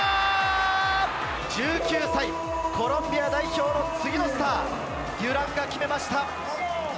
１９歳、コロンビア代表の次のスタードゥランが決めました！